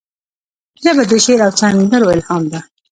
ژبه د شعر او سندرو الهام ده